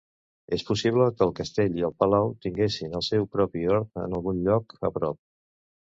És possible que el castell i el palau tinguessin el seu propi hort en algun lloc a prop.